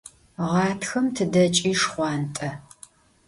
Ğatxem tıdeç'i şşxhuant'e.